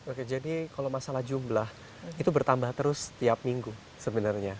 oke jadi kalau masalah jumlah itu bertambah terus setiap minggu sebenarnya